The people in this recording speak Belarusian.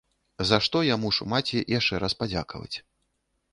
За што я мушу маці яшчэ раз падзякаваць.